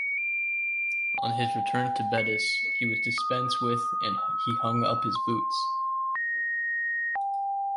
On his return to Betis, he was dispensed with and he hung up his boots.